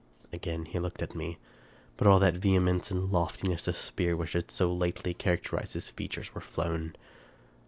Again he looked at me ; but all that vehemence and lofti ness of spirit which had so lately characterized his features were flown.